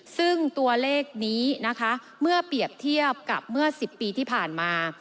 ซึ่งตัวเลขนี้นะคะเมื่อเปรียบเทียบกับเมื่อ๑๐ปีที่ผ่านมา